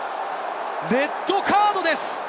レッドカードです！